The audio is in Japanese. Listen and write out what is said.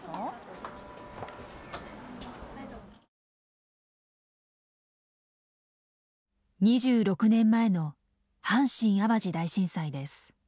２６年前の阪神・淡路大震災です。